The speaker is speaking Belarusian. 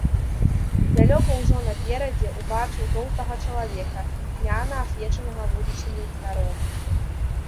І далёка ўжо наперадзе ўбачыў тоўстага чалавека, цьмяна асвечанага вулічным ліхтаром.